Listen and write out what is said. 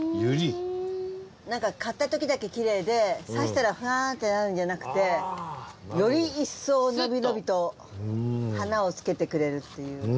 なんか買った時だけきれいで挿したらふわーんってなるんじゃなくてより一層伸び伸びと花をつけてくれるっていう。